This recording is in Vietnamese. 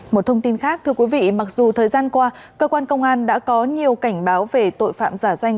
một thông tin khác thưa quý vị mặc dù thời gian qua cơ quan công an đã có nhiều cảnh báo về tội phạm giả danh